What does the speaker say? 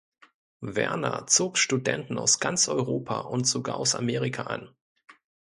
Werner zog Studenten aus ganz Europa und sogar aus Amerika an.